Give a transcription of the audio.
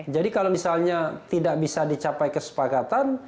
jadi kalau misalnya tidak bisa dicapai kesepakatan